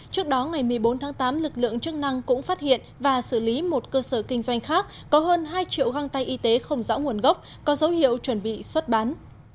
trước đó ngày một mươi bốn tháng tám lực lượng chức năng cũng phát hiện và xử lý một cơ sở kinh doanh khác có hơn hai triệu găng tay y tế không rõ nguồn gốc có dấu hiệu chuẩn bị xuất bán